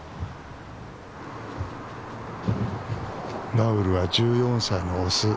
ラウルは１４歳のオス。